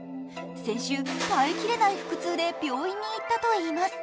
先週耐えきれない腹痛で病院に行ったといいます。